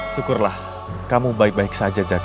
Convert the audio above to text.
syukurlah kamu baik baik saja jakarta